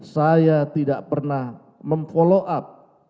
saya tidak pernah memfollow up